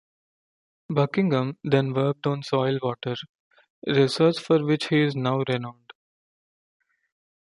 Buckingham then worked on soil water, research for which he is now renowned.